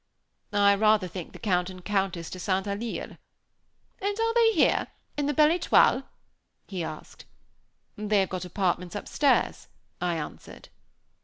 "I rather think the Count and Countess de St. Alyre." "And are they here, in the Belle Étoile?" he asked. "They have got apartments upstairs," I answered.